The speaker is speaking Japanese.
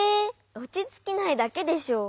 おちつきないだけでしょ。